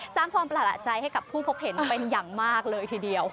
สร้างความประหลาดใจให้กับผู้พบเห็นเป็นอย่างมากเลยทีเดียว